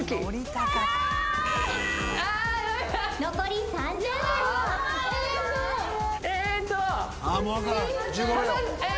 残り１０秒。